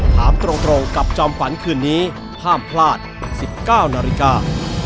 ถามตรงกับจอมขวัญคืนนี้ห้ามพลาด๑๙นาฬิกา